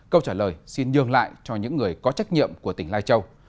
câu trả lời xin nhường lại cho những người có trách nhiệm của tỉnh lai châu